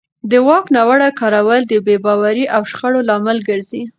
د واک ناوړه کارول د بې باورۍ او شخړو لامل ګرځي